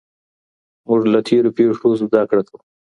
موږ له تېرو پېښو زده کړه کوو.